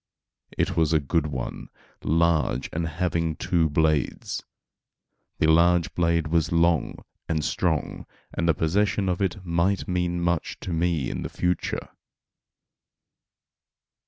It was a good one, large and having two blades. The large blade was long and strong, and the possession of it might mean much to me in the future.